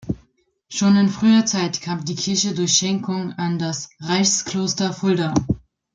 Schon in früher Zeit kam die Kirche durch Schenkung an das Reichskloster Fulda.